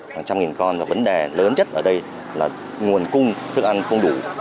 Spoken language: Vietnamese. hàng trăm nghìn con và vấn đề lớn nhất ở đây là nguồn cung thức ăn không đủ